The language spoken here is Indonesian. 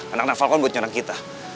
anak anak falcon buat nyerang kita